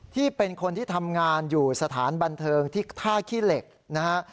ที่เป็นคนที่ทำงานอยู่สถานบันเทิงที่ท่าขี้เหล็กนะฮะ